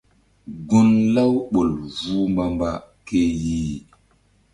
Gun Laouɓol vuh mbamba ke yih.